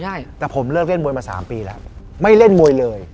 ได้แต่ผมเลิกเล่นมวยมา๓ปีแล้วไม่เล่นมวยเลย